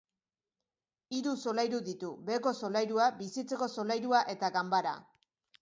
Hiru solairu ditu: beheko solairua, bizitzeko solairua eta ganbara.